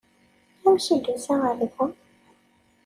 Amek ay d-tusa ɣer da?